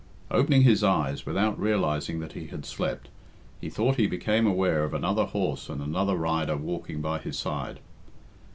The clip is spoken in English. Opening his eyes, without realising that he had slept, he thought he became aware of another horse and another rider walking by his side.